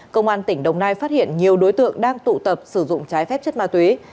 công an tỉnh đồng nai phát hiện nhiều đối tượng đang tụ tập sử dụng trái phép chất ma túy